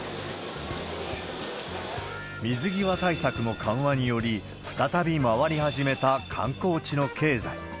水際対策の緩和により、再び回り始めた観光地の経済。